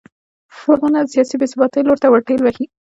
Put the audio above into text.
ټولنه د سیاسي بې ثباتۍ لور ته ور ټېل وهي.